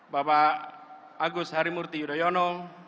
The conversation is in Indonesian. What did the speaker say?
bapak agus harimurti yudhoyono